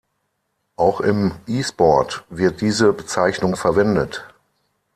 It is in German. Auch im E-Sport wird diese Bezeichnung verwendet.